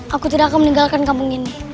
aku tidak akan meninggalkan kampung ini